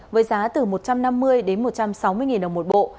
với giá từ một trăm năm mươi đến một trăm sáu mươi đồng một bộ